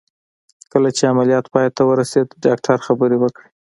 کله چې عمليات پای ته ورسېد ډاکتر خبرې وکړې.